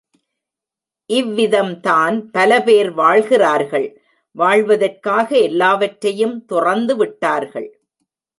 இவ்விதம் தான் பலபேர் வாழ்கிறார்கள், வாழ்வதற்காக எல்லாவற்றையும் துறந்துவிட்டார்கள்.